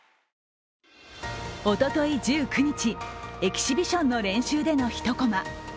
おととい１９日、エキシビションの練習での一コマ。